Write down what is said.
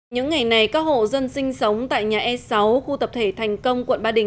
những ngày này các hộ dân sinh sống tại nhà e sáu khu tập thể thành công quận ba đình